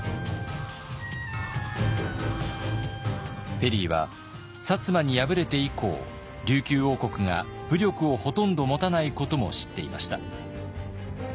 ペリーは摩に敗れて以降琉球王国が武力をほとんど持たないことも知っていました。